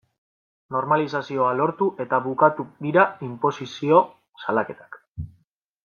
Normalizazioa lortu eta bukatu dira inposizio salaketak.